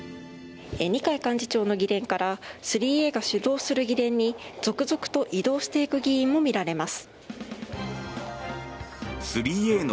二階幹事長の議連から３Ａが主導する議連に続々と移動していく議員も見られます。